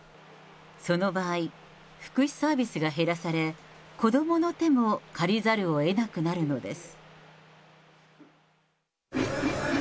その場合、福祉サービスが減らされ、子どもの手も借りざるをえなくなるのです。